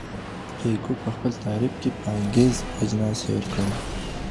پیګو په خپل تعریف کي پانګیز اجناس هېر کړل.